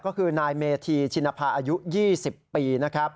ก็คือนายเมธีชินภาอายุ๒๐ปี